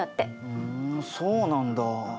ふんそうなんだ。